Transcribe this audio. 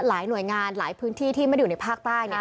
หลายหน่วยงานหลายพื้นที่ที่ไม่ได้อยู่ในภาคใต้